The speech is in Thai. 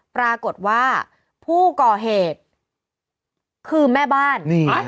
ปรากฏว่าผู้ก่อเหตุคือแม่บ้าน